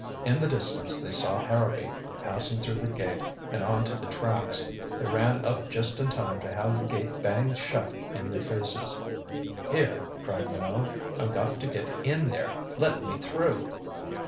In the distance they saw Harrowby passing through the gate and on to the tracks. They ran up just in time to have the gate banged shut in their faces. "Here," cried Minot. "I've got to get in there. Let me through!"